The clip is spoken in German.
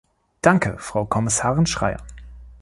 Danke, Frau Kommissarin Schreyer!